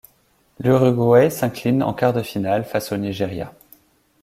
L'Uruguay s'incline en quart de finale face au Nigeria.